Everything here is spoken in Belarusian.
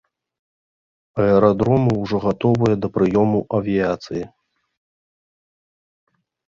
Аэрадромы ўжо гатовыя да прыёму авіяцыі.